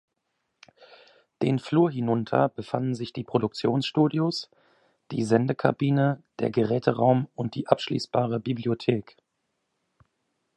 Den Flur hinunter befanden sich die Produktionsstudios, die Sendekabine, der Geräteraum und die abschließbare Bibliothek.